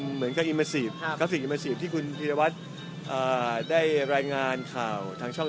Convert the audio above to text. เหมือนกับครับกราฟิกที่คุณพิธีวัตรเอ่อได้รายงานข่าวทางช่อง